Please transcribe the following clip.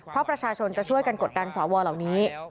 เพราะประชาชนจะช่วยกันกดดันสวเหล่านี้